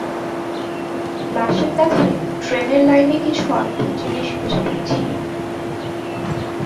লাশের কাছে ট্রেনের লাইনে কিছু অদ্ভুত জিনিস খুঁজে পেয়েছি।